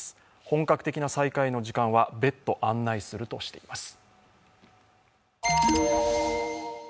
本格的な再開の時間は別途、案内するとしています。